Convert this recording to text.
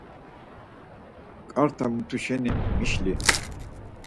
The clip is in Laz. K̆arta mutu şeni mişli.